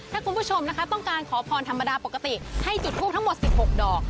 ถ้าคุณผู้ชมนะคะต้องการขอพรธรรมดาปกติให้จุดทูปทั้งหมด๑๖ดอก